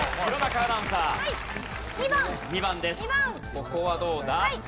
ここはどうだ？